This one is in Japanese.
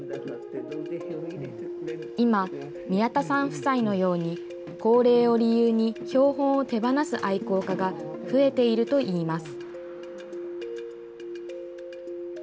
今、宮田さん夫妻のように、高齢を理由に標本を手放す愛好家が増えているといいます。